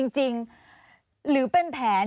จริงหรือเป็นแผน